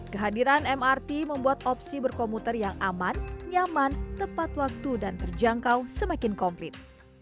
kehadiran mrt membuat opsi berkomuter yang aman nyaman tepat waktu dan terjangkau semakin komplit